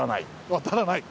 渡らない。